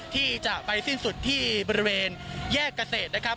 ที่จะไปสิ้นสุดที่บริเวณแยกเกษตรนะครับ